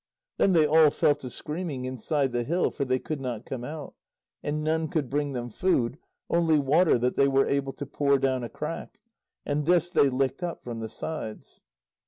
Then they all fell to screaming inside the hill, for they could not come out. And none could bring them food, only water that they were able to pour down a crack, and this they licked up from the sides.